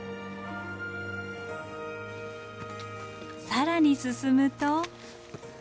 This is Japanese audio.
更に進むと。